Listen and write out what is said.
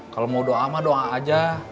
kalau mau doa mah doa aja